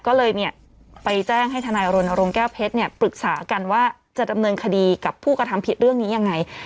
ก็เลยเนี่ยไปแจ้งให้ทนายรณรงค์แก้วเพชรเนี่ยปรึกษากันว่าจะดำเนินคดีกับผู้กระทำผิดเรื่องนี้ยังไง